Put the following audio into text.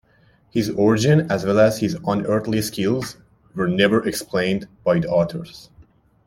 His origin, as well as his unearthly skills, were never explained by the authors.